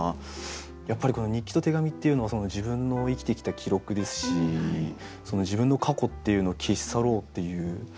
やっぱりこの「日記と手紙」っていうのは自分の生きてきた記録ですし自分の過去っていうのを消し去ろうっていう。